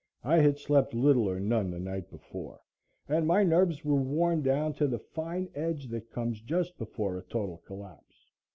I had slept little or none the night before and my nerves were worn down to the fine edge that comes just before a total collapse.